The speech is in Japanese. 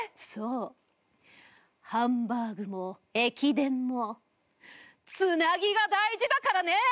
そうハンバーグも駅伝もツナギが大事だからね！